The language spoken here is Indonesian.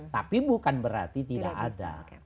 tapi bukan berarti tidak ada